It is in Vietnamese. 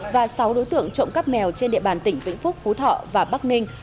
và sáu đối tượng trộm cắp mèo trên địa bàn tỉnh vĩnh phúc phú thọ và bắc ninh